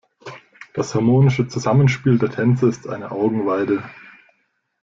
Das harmonische Zusammenspiel der Tänzer ist eine Augenweide.